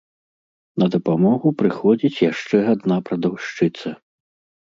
На дапамогу прыходзіць яшчэ адна прадаўшчыца.